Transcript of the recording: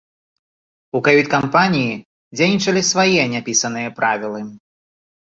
У кают-кампаніі дзейнічалі свае няпісаныя правілы.